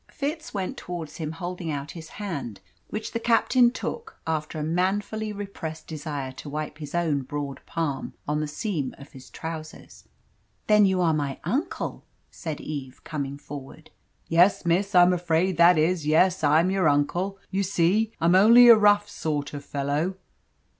Fitz went towards him holding out his hand, which the captain took after a manfully repressed desire to wipe his own broad palm on the seam of his trousers. "Then you are my uncle?" said Eve, coming forward. "Yes, miss, I'm afraid that is yes, I'm your uncle. You see I'm only a rough sort of fellow."